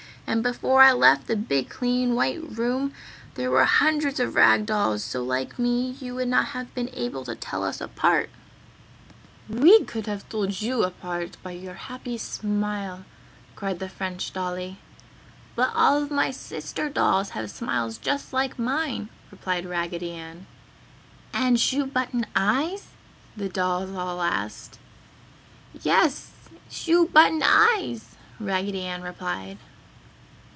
And before I left the big clean white room there where hundreds of rag dolls so like me you would not have been able to tell us apart." "We could have told you by your happy smile!" cried the French dolly. "But all of my sister dolls have smiles just like mine!" replied Raggedy Ann. "And shoe button eyes?" the dolls all asked. "Yes, shoe button eyes!" Raggedy Ann replied.